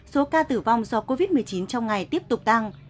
số ca tử vong do covid một mươi chín trong ngày tiếp tục tăng